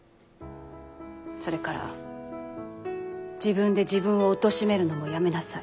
それから自分で自分をおとしめるのもやめなさい。